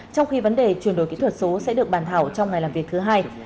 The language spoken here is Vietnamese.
trong khi vấn đề chuyển đổi kỹ thuật số sẽ được bàn thảo trong ngày làm việc thứ hai